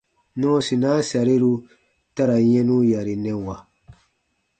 Nɔɔsinaa sariru ta ra yɛnu yarinɛwa.